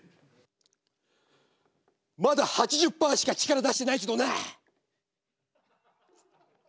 「まだ８０％しか力出してないけどな！」。